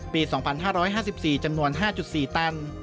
ปี๒๕๕๔จำนวน๕๔ตัน